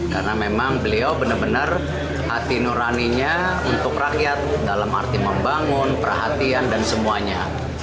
karena memang beliau benar benar hati nuraninya untuk rakyat dalam arti membangun perhatian dan semuanya